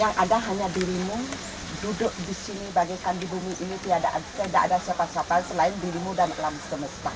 yang ada hanya dirimu duduk di sini bagaikan di bumi ini tidak ada siapa siapa selain dirimu dan alam semesta